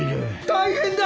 ・大変だ！